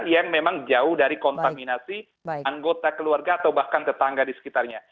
yang memang jauh dari kontaminasi anggota keluarga atau bahkan tetangga di sekitarnya